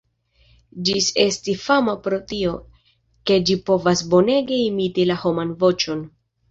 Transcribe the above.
Ĝis estis fama pro tio, ke ĝi povas bonege imiti la homan voĉon.